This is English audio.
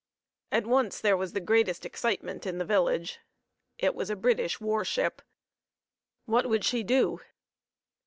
At once there was the greatest excitement in the village. It was a British warship. What would she do?